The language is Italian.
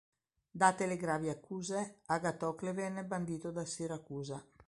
Date le gravi accuse, Agatocle venne bandito da Siracusa.